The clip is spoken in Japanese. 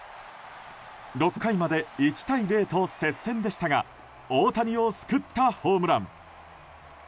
６回まで１対０と接戦でしたが大谷を救ったホームラン。